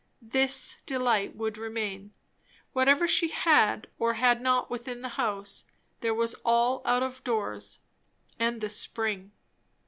This delight would remain, whatever she had or had not within the house; there was all out of doors, and the Spring!